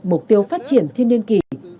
mục tiêu phát triển thiên niên kỷ